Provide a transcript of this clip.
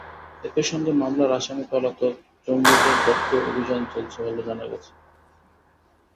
একই সঙ্গে মামলার আসামি পলাতক জঙ্গিদের ধরতেও অভিযান চলছে বলে জানা গেছে।